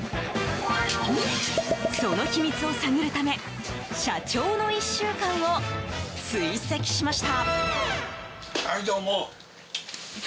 その秘密を探るため社長の１週間を追跡しました。